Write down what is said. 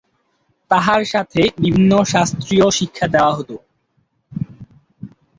তাহার সাথে বিভিন্ন শাস্ত্রীয় শিক্ষা দেওয়া হত।